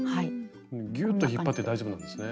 ギューッと引っ張って大丈夫なんですね。